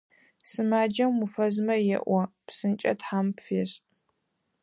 Сымаджэм уфэзмэ еоӀо: «ПсынкӀэ Тхьэм пфешӀ!».